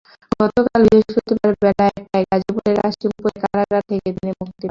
গতকাল বৃহস্পতিবার বেলা একটায় গাজীপুরের কাশিমপুর কারাগার থেকে তিনি মুক্তি পান।